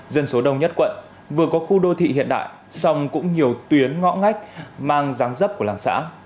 dân số đông nhất quận vừa có khu đô thị hiện đại xong cũng nhiều tuyến ngõ ngách mang ráng rấp của làng xã